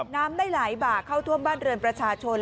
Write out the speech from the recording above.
น้ำได้ไหลบากเข้าท่วมบ้านเรือนประชาชน